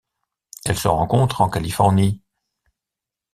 Elle se rencontre en Californie.